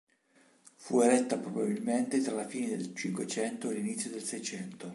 Fu eretta probabilmente tra la fine del Cinquecento e l'inizio del Seicento.